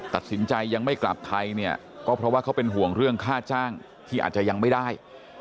ตัดสินใจยังไม่กลับไทยเนี่ยก็เพราะว่าเขาเป็นห่วงเรื่องค่าจ้างที่อาจจะยังไม่ได้